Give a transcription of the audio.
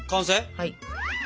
はい。